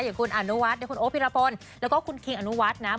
อย่างคุณอนุวัฒน์คุณโอ๊พิรพลแล้วก็คุณคิงอนุวัฒน์นะ